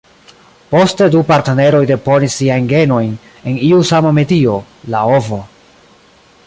Poste, du partneroj deponis siajn genojn en iu sama medio, la ovo.